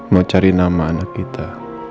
mau cari nama anak kita